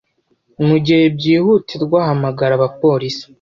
Mugihe byihutirwa, hamagara abapolisi.